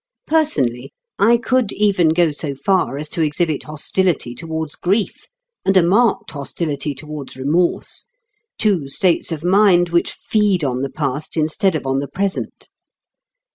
Personally, I could even go so far as to exhibit hostility towards grief, and a marked hostility towards remorse two states of mind which feed on the past instead of on the present.